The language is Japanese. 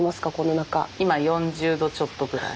今４０度ちょっとぐらい。